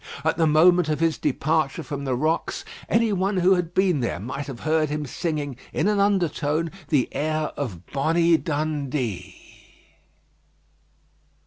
At the moment of his departure from the rocks, any one who had been there might have heard him singing, in an undertone, the air of "Bonnie Dundee."